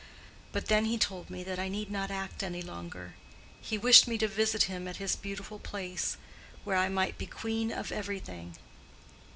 But then he told me that I need not act any longer; he wished me to visit him at his beautiful place, where I might be queen of everything.